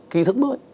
kỹ thức mới